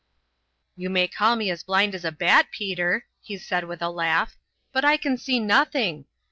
"You may call me as blind as a bat, Peter," he said with a laugh, "but I can see nothing.